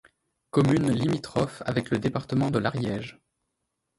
Commune limitrophe avec le département de l'Ariège.